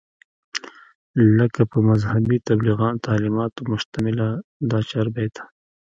لکه پۀ مذهبي تعليماتو مشتمله دا چاربېته